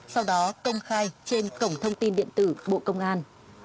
sau đó công khai trên cổng thông tin điện tử bộ công an